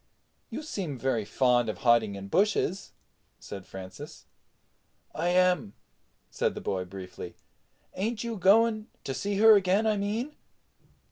"You seem very fond of hiding in bushes," said Francis. "I am," said the boy briefly. "Ain't you going—to see her again, I mean?"